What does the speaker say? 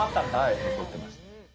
い撮ってました